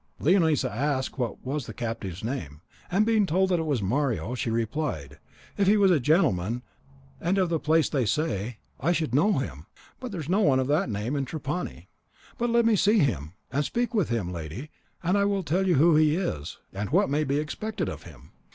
Leonisa asked what was the captive's name, and being told that it was Mario, she replied, "If he was a gentleman, and of the place they say, I should know him; but there is no one of that name in Trapani. But let me see him, and speak with him, lady, and I will tell you who he is, and what may be expected of him."